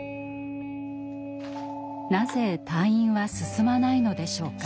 なぜ退院は進まないのでしょうか。